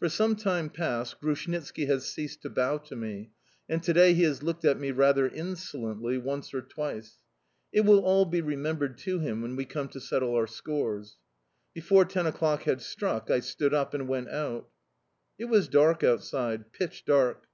For some time past, Grushnitski has ceased to bow to me, and to day he has looked at me rather insolently once or twice. It will all be remembered to him when we come to settle our scores. Before ten o'clock had struck, I stood up and went out. It was dark outside, pitch dark.